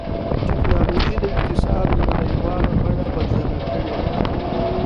ټکنالوجي د اقتصاد نړیواله بڼه بدله کړې ده.